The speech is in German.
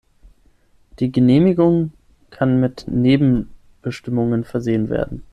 Die Genehmigung kann mit Nebenbestimmungen versehen werden.